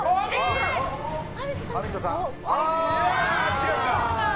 違うか。